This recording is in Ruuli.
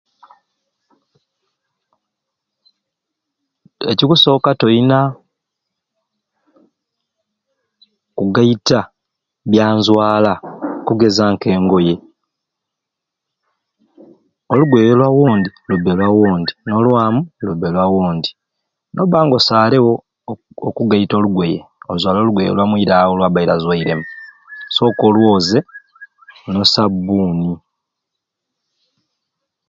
Ekikusooka toina kugaita byanzwala okugeza k'engoye. Olugoye lwa wondi lubbe lwa wondi n'lwamu lubbe lwa wondi. Nobba nga osaarewo okugaita olugoye ozwale olugoye olwa muraawo lwabbaire azwaire mu sooka olwoze n'osabbuuni